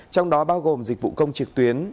trong đó bao gồm dịch vụ công trực tuyến